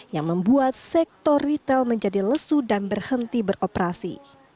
yang membuat sektor retail menjadi lesu dan berhenti beroperasi